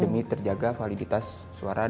demi terjaga validitas suara